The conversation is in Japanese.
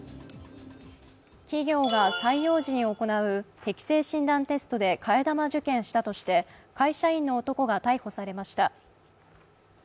企業が採用時に行う適性診断テストで替え玉受検したとして会社員の男が逮捕されました。